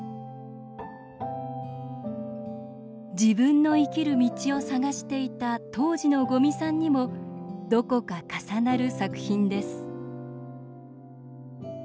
自分の生きる道を探していた当時の五味さんにもどこか重なる作品です